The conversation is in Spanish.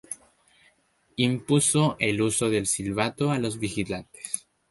Impuso el uso del silbato a los vigilantes.